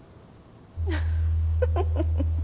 フフフフ。